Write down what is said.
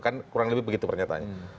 kan kurang lebih begitu pernyataannya